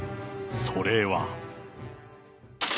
それは。